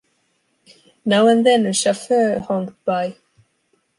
Now and then a chauffeur honked by.